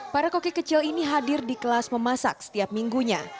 para koki kecil ini hadir di kelas memasak setiap minggunya